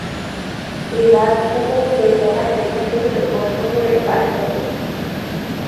এ মাছ উপকূলের জলাশয়ে ছোট ছোট গর্ত করে বাস করে।